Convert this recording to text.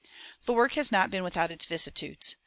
The work has not been without its vicissitudes.